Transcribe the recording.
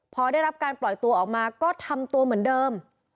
พอได้รับการปล่อยตัวออกมาก็ทำตัวเหมือนเดิม